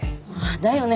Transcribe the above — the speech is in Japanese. だよね